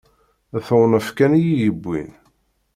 D tewnef kan i yi-yewwin.